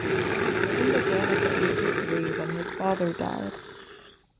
His reign began at the age of three, when his father died.